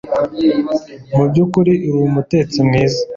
Mubyukuri uri umutetsi mwiza